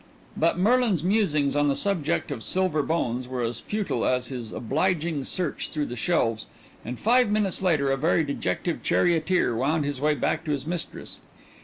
But Merlin's musings on the subject of Silver Bones were as futile as his obliging search through the shelves, and five minutes later a very dejected charioteer wound his way back to his mistress.